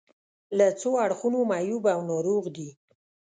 له څو اړخونو معیوب او ناروغ دي.